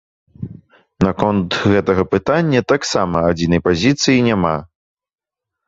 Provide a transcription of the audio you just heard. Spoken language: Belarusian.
Наконт гэтага пытання таксама адзінай пазіцыі няма.